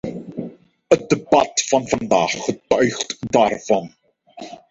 Het debat van vandaag getuigt daarvan.